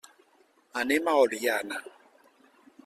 Anem a Oliana.